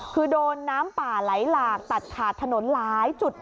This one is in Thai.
คือโดนน้ำป่าไหลหลากตัดขาดถนนหลายจุด